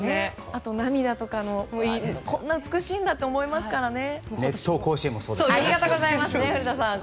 あと涙だとかこんな美しいんだと思いますしね。